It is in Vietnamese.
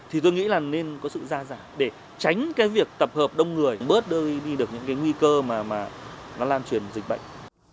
thì tôi nghĩ là nên có sự ra giải để tránh cái việc tập hợp đông người bớt đi được những cái nguy cơ mà nó lan truyền dịch bệnh